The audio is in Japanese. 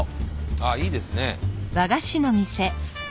あっいいですね。